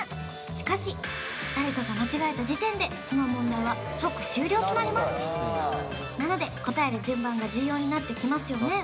しかし誰かが間違えた時点でその問題は即終了となりますなので答える順番が重要になってきますよね